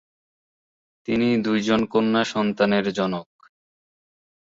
তিনি দুইজন কন্যা সন্তানের জনক।